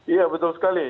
iya betul sekali